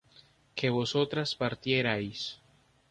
que vosotras partierais